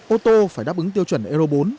ô tô phải đáp ứng tiêu chuẩn euro bốn